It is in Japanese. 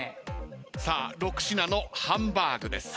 さあ６品のハンバーグです。